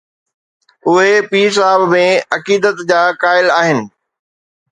اهي پير صاحب ۾ عقيدت جا قائل آهن.